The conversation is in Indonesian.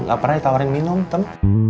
gak pernah ditawarin minum kan